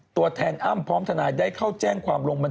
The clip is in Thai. ตัวแทนอ้ำพร้อมทนายได้เข้าแจ้งความลงบัน